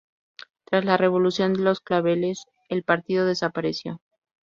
Tras la Revolución de los Claveles, el partido desapareció.